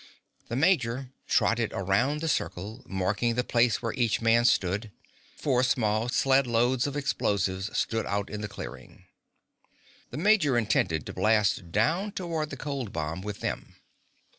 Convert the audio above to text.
The major trotted around the circle, marking the place where each man stood. Four small sledge loads of explosives stood out in the clearing. The major intended to blast down toward the cold bomb with them.